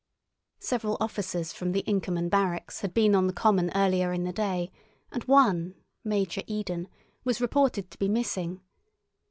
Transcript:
Several officers from the Inkerman barracks had been on the common earlier in the day, and one, Major Eden, was reported to be missing.